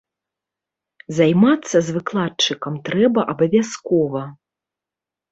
Займацца з выкладчыкам трэба абавязкова.